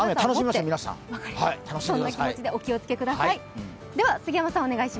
そんな気持ちでお気をつけください。